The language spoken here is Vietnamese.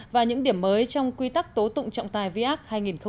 và những điểm mới trong quy tắc tố tụng trọng tài viac hai nghìn một mươi bảy